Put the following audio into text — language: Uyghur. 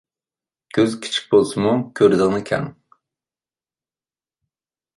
كۆز كىچىك بولسىمۇ، كۆرىدىغىنى كەڭ.